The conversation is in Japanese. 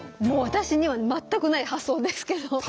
もう私には全くない発想ですけど。